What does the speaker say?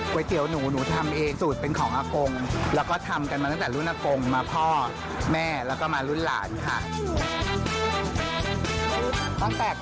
ก๋วยเตี๋ยวไม่เจานานแต่นะครับ